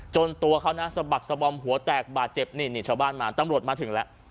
ตัวเขานะสะบักสะบอมหัวแตกบาดเจ็บนี่นี่ชาวบ้านมาตำรวจมาถึงแล้ว